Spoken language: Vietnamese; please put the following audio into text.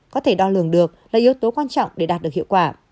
có thể đo lường được là yếu tố quan trọng để đạt được hiệu quả